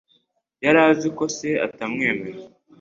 Yari azi ko se atamwemera.